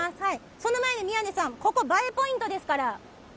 その前に、宮根さん、ここ、映えポイントですから。